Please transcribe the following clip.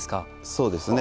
そうですね。